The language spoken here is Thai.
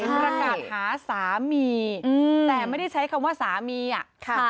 ประกาศหาสามีแต่ไม่ได้ใช้คำว่าสามีอ่ะค่ะ